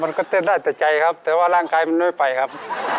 มันก็เต้นได้แต่ใจครับแต่ว่าร่างกายมันน้อยไปครับ